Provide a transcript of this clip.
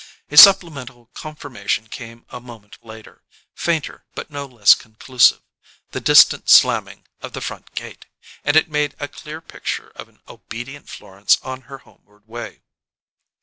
A supplemental confirmation came a moment later, fainter but no less conclusive: the distant slamming of the front gate; and it made a clear picture of an obedient Florence on her homeward way.